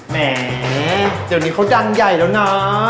แหมตอนนี้เขาดังใหญ่แล้วนะ